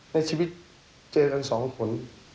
ในชีวิตเจอกันสองผล